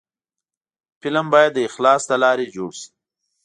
فلم باید د اخلاص له لارې جوړ شي